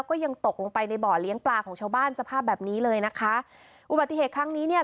ก็ยังตกลงไปในบ่อเลี้ยงปลาของชาวบ้านสภาพแบบนี้เลยนะคะอุบัติเหตุครั้งนี้เนี่ย